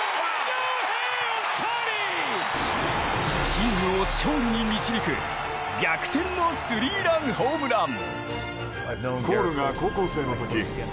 チームを勝利に導く逆転のスリーランホームラン。